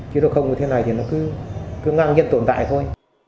chứ nó không như thế này thì nó cứ cứ ngang nhiên tồn tại thôi